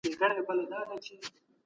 ولي هغه داسې بې منطقه کار وکړ؟